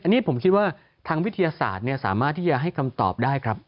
อันนี้ผมคิดว่าทางวิทยาศาสตร์สามารถที่จะให้คำตอบได้ครับ